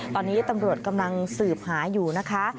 ตอนนี้ตำรวจกำลังสืบหาอยู่นะคะ